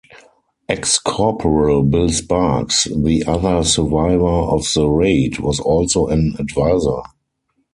Ex-Corporal Bill Sparks, the other survivor of the raid, was also an advisor.